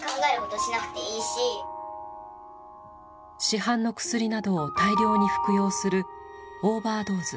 市販の薬などを大量に服用するオーバードーズ。